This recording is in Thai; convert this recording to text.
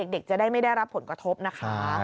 เด็กจะได้ไม่ได้รับผลกระทบนะคะ